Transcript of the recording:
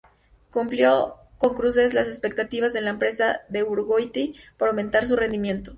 Cumplió con creces las expectativas de la empresa de Urgoiti para aumentar su rendimiento.